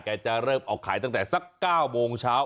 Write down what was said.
จะเริ่มออกขายตั้งแต่สัก๙โมงเช้า